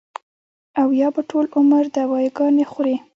او يا به ټول عمر دوايانې خوري -